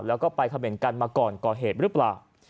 แล้วก็ไปเขม่นกันมาก่อนก่อเหตุหรือเปล่า